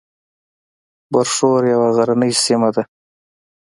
برښور یوه غرنۍ سیمه ده